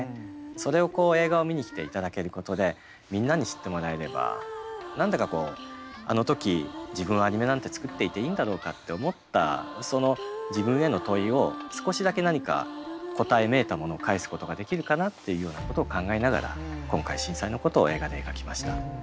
それを映画を見に来ていただけることでみんなに知ってもらえれば何だかこうあの時自分はアニメなんて作っていていいんだろうかって思ったその自分への問いを少しだけ何か答えめいたものを返すことができるかなっていうようなことを考えながら今回震災のことを映画で描きました。